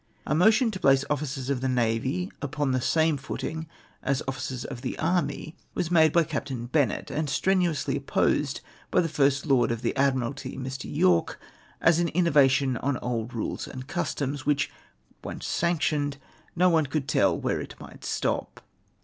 A motion to place officers of the navy upon the same footing as officers of the army was made by Captahi Bemiet, and strenuously opposed by the Fkst Lord of the Admiralty, M\ Yorke, as an mnovation on old rules and customs, which, when once sanctioned, no one could tell wdiere it might stop.